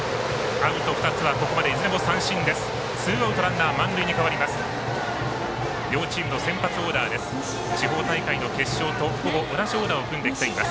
アウト２つはここまで、いずれも三振です。